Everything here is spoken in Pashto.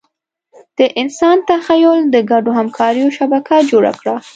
د انسان تخیل د ګډو همکاریو شبکه جوړه کړه.